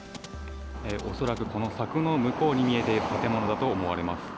恐らく柵の向こうに見えている建物だと思われます。